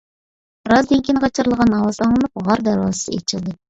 بىرئازدىن كېيىن غىچىرلىغان ئاۋاز ئاڭلىنىپ، غار دەرۋازىسى ئېچىلدى.